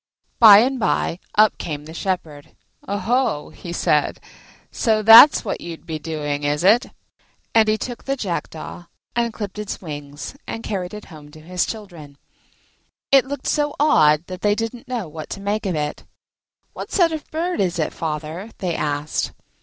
By and by up came the Shepherd. "Oho," he said, "so that's what you'd be doing, is it?" And he took the Jackdaw, and clipped its wings and carried it home to his children. It looked so odd that they didn't know what to make of it. "What sort of bird is it, father?" they asked.